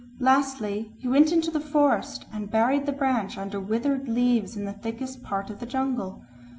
Lastly, he went into the forest and buried the branch under withered leaves in the thickest part of the jungle.